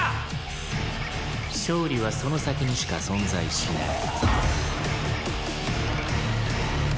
「勝利はその先にしか存在しない」